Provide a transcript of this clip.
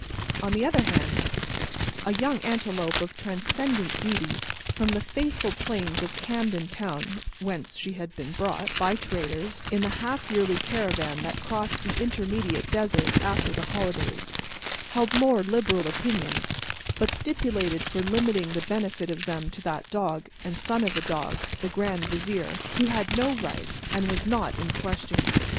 On the other hand, a young antelope of transcendent beauty from the fruitful plains of Camden Town (whence she had been brought, by traders, in the half yearly caravan that crossed the intermediate desert after the holidays), held more liberal opinions, but stipulated for limiting the benefit of them to that dog, and son of a dog, the Grand Vizier—who had no rights, and was not in question.